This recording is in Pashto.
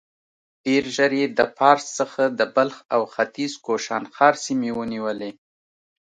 ډېر ژر يې د پارس څخه د بلخ او ختيځ کوشانښار سيمې ونيولې.